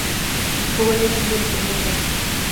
Jugó en el club durante seis años.